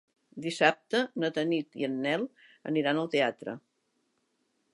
Dissabte na Tanit i en Nel aniran al teatre.